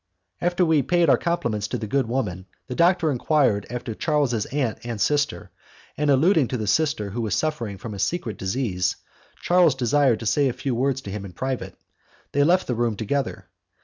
After we had paid our compliments to the good woman, the doctor enquired after Charles's aunt and sister; and alluding to the sister who was suffering from a secret disease, Charles desired to say a few words to him in private; they left the room together.